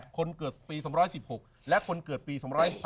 คนเกิดปี๒๑๖และคนเกิดปี๒๕๖๒